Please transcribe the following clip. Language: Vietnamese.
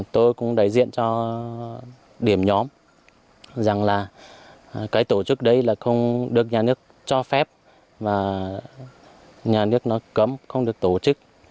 tôi cũng đại diện cho điểm nhóm rằng là cái tổ chức đấy là không được nhà nước cho phép và nhà nước nó cấm không được tổ chức